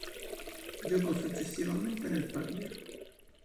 Giocò successivamente nel Pavia.